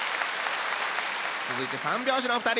続いて三拍子のお二人。